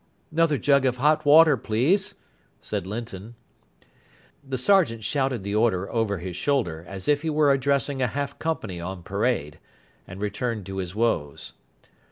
"'Nother jug of hot water, please," said Linton. The Sergeant shouted the order over his shoulder, as if he were addressing a half company on parade, and returned to his woes.